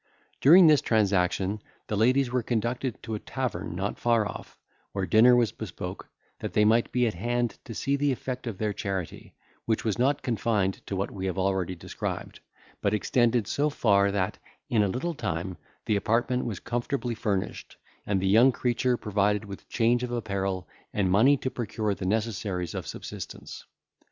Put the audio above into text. During this transaction the ladies were conducted to a tavern not far off, where dinner was bespoke, that they might be at hand to see the effect of their charity, which was not confined to what we have already described, but extended so far, that, in a little time, the apartment was comfortably furnished, and the young creature provided with change of apparel, and money to procure the necessaries of subsistence.